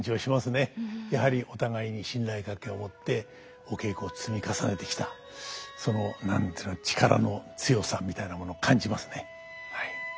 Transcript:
やはりお互いに信頼関係を持ってお稽古を積み重ねてきたその何て言うのかな力の強さみたいなもの感じますねはい。